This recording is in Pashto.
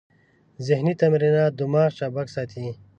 ذهني تمرینات دماغ چابک ساتي.